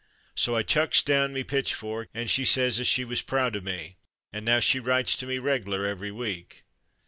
" So I chucks down me pitchfork and she says as she was proud o' me, and now she writes to me reg'lar every week.